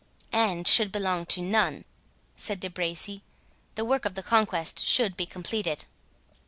"And should belong to none," said De Bracy; "the work of the Conquest should be completed."